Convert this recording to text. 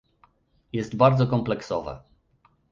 Jest bardzo kompleksowe